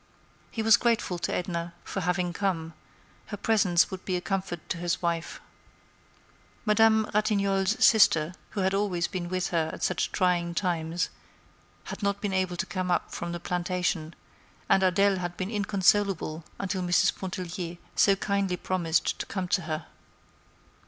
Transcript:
He was grateful to Edna for having come; her presence would be a comfort to his wife. Madame Ratignolle's sister, who had always been with her at such trying times, had not been able to come up from the plantation, and Adèle had been inconsolable until Mrs. Pontellier so kindly promised to come to her.